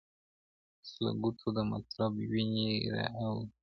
اوس له ګوتو د مطرب ويني را اوري